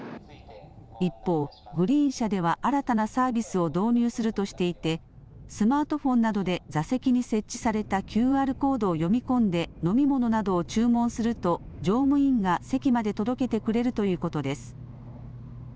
一方、グリーン車では新たなサービスを導入するとしていて、スマートフォンなどで座席に設置されたＱＲコードを読み込んで飲み物などを注文すると、乗務員が席まで届けてくれるということです。